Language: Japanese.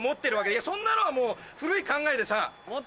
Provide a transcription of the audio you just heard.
いやそんなのはもう古い考えでさ。